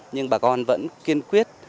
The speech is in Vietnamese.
nhưng bà con vẫn kiên quyết